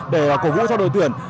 để cổ vũ cho đội tuyển